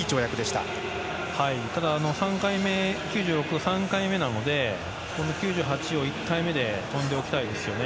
ただ、９６は３回目なのでこの９８を１回目で跳んでおきたいですよね。